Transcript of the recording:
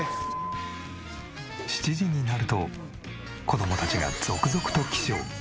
７時になると子供たちが続々と起床。